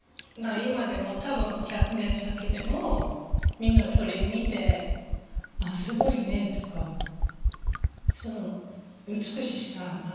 今でも多分１００年先でもみんなそれ見てすごいねとかその美しさが何か感動する。